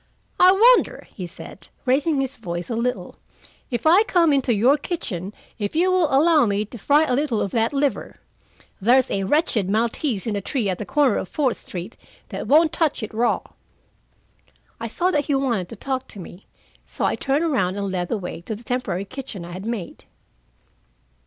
"I wonder," he said, raising his voice a little, "if I come into your kitchen, if you will allow me to fry a little of that liver. There's a wretched Maltese in a tree at the corner of Fourth Street that won't touch it, raw." I saw that he wanted to talk to me, so I turned around and led the way to the temporary kitchen I had made.